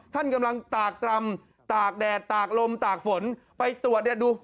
ท่านกำลังตากตรำตากแดดตากลมตากฝนไปตรวจเนี่ยดู